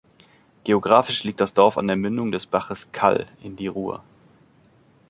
Geografisch liegt das Dorf an der Mündung des Baches Kall in die Rur.